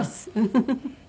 フフフフ。